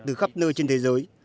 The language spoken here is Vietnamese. từ khắp nơi trên thế giới